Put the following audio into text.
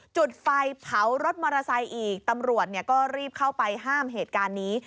จุดไฟเผารถมอเตอร์ไซค์อีกตำรวจก็รีบเข้าไปห้ามเหตุการณ์นี้